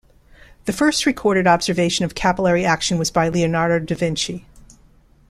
The first recorded observation of capillary action was by Leonardo da Vinci.